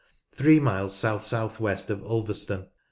Three miles south south west of Ulver ston.